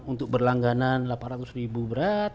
untuk berlangganan delapan ratus ribu berat